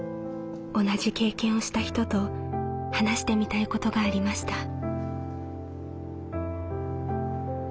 同じ経験をした人と話してみたいことがありました。